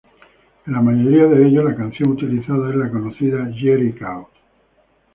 En la mayoría de ellos la canción utilizada es la conocida "Jerk it Out".